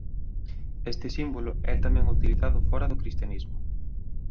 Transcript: Este símbolo é tamén utilizado fóra do cristianismo.